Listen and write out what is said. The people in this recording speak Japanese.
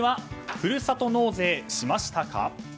ふるさと納税しましたか。